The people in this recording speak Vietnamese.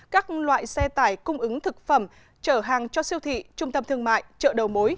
các loại xe tải cung ứng thực phẩm trở hàng cho siêu thị trung tâm thương mại chợ đầu mối